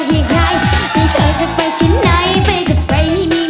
โชว์แรกของโจทย์เพลงซ่าท้าให้เต้น